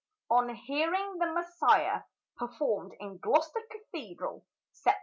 ON HEARING "THE MESSIAH" PERFORMED IN GLOUCESTER CATHEDRAL, SEPT.